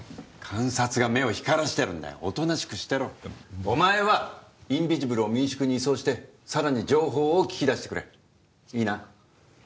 監察が目を光らせてるんだよおとなしくしてろお前はインビジブルを民宿に移送してさらに情報を聞き出してくれいいな？